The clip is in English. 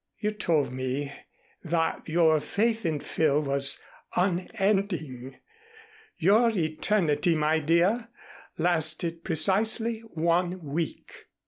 "You told me that your faith in Phil was unending. Your eternity, my dear, lasted precisely one week."